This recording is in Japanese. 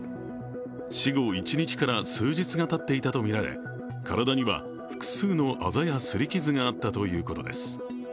死後１日から数日がたっていたとみられ体には複数のあざやすり傷があったということです。